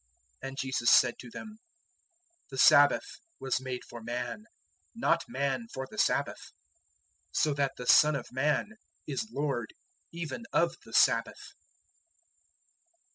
002:027 And Jesus said to them: "The Sabbath was made for man, not man for the Sabbath; 002:028 so that the Son of Man is Lord even of the Sabbath."